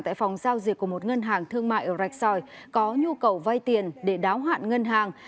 tại phòng giao diệt của một ngân hàng thương mại ở rạch sòi có nhu cầu vay tiền để đáo hạn ngân hàng